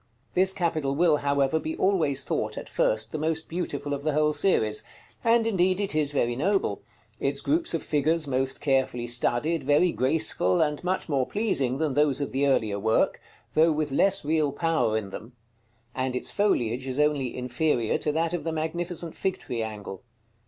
This capital will, however, be always thought, at first, the most beautiful of the whole series: and indeed it is very noble; its groups of figures most carefully studied, very graceful, and much more pleasing than those of the earlier work, though with less real power in them; and its foliage is only inferior to that of the magnificent Fig tree angle.